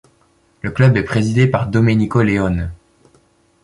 Le club est présidé par Domenico Leone.